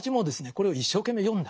これを一生懸命読んだ。